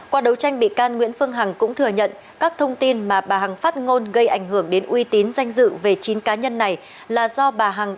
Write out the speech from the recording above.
qua đấu tranh bị can nguyễn phương hằng cũng thừa nhận các thông tin mà bà hằng phát ngôn gây ảnh hưởng đến uy tín danh dự về chín cá nhân này là do bà hằng